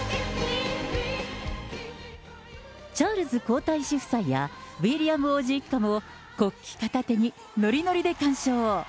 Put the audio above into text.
チャールズ皇太子夫妻やウィリアム王子一家も、国旗片手に、のりのりで鑑賞。